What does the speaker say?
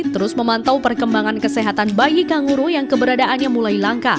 terus memantau perkembangan kesehatan bayi kanguru yang keberadaannya mulai langka